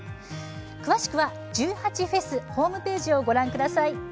詳しくは１８祭ホームページをご覧ください。